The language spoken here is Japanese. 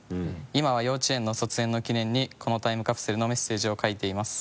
「今は幼稚園の卒園の記念にこのタイムカプセルのメッセージを書いています。」